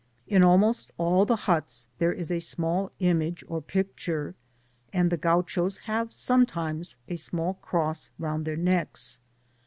In almost all the huts there is a small image or picture, and the Gauchos have sometimes' a small cross round their necks.